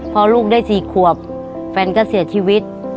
พอลูกได้๔ขวบแฟนก็เสียชีวิต